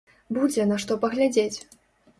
Будзе, на што паглядзець!